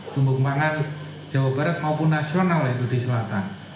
lumbung pangan jawa barat maupun nasional itu di selatan